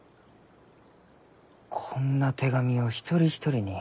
こんな手紙を一人一人に。